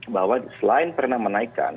bahwa selain pernah menaikan